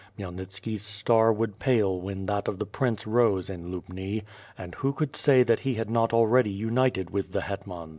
Khmyelnitski's star would pale when that of the prince rose in Lubni. And who could say that he had not already united with the hetman??